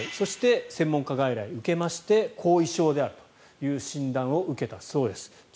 そして専門家外来を受けまして後遺症であるという診断を受けたそうです。